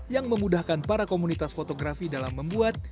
yang memudahkan para komunitas fotografi dalam membuat